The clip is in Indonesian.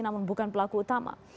namun bukan pelaku utama